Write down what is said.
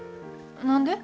何で？